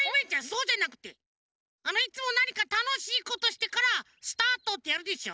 そうじゃなくてあのいつもなにかたのしいことしてから「スタート！」ってやるでしょ。